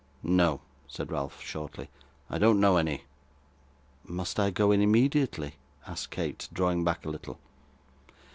'No,' said Ralph, shortly, 'I don't know any.' 'Must I go in immediately?' asked Kate, drawing back a little.